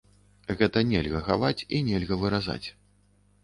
Гэта нельга хаваць і нельга выразаць.